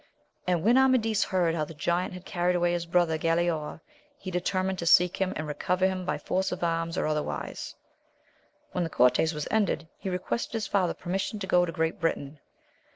And when Amadis heard how the giant had carried away his brother Galaor, he determined to seek him, and recover him by force of arms or other wise. When the cortes was ended, he requested his father permission to go to Great Britain.